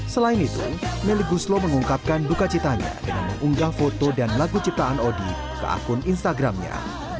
selain itu meli guslo mengungkapkan duka citanya dengan mengunggah foto dan lagu ciptaan odi ke akun instagramnya